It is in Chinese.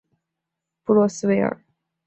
布洛斯维尔。